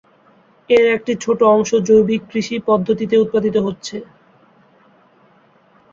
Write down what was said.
এর একটি ছোট অংশ জৈবিক কৃষি পদ্ধতিতে উৎপাদিত হচ্ছে।